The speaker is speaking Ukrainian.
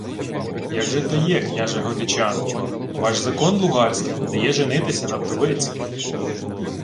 — Як же то є, княже Годечане? Ваш закон лугарський не дає женитися на вдовиці.